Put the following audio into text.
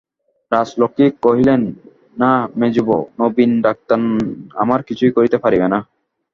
রাজলক্ষ্মী কহিলেন, না মেজোবউ, নবীন-ডাক্তার আমার কিছুই করিতে পারিবে না।